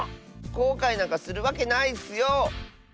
こうかいなんかするわけないッスよ！